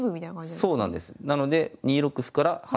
そうなんです。